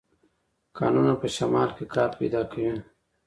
کانونه په شمال کې کار پیدا کوي.